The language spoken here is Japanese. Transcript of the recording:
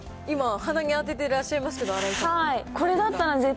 今、鼻に当ててらっしゃいますけど、新井さん。